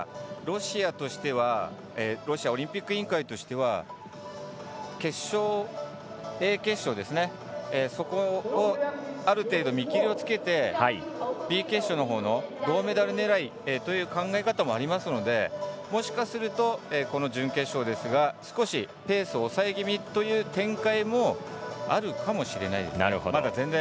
ですから、ロシアオリンピック委員会としてはＡ決勝にある程度、見切りをつけてＢ決勝のほうの銅メダル狙いという考え方もありますのでもしかすると、この準決勝少しペースを抑え気味という展開も、あるかもしれないです。